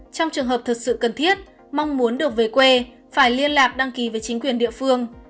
trong trường hợp thật sự cần thiết mong muốn được về quê phải liên lạc đăng ký với chính quyền địa phương